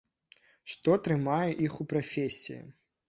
Што трымае іх у прафесіі?